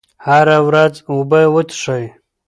هره ورځ اوبه وڅښئ.